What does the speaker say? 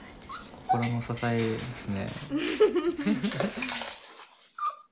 心の支えですね。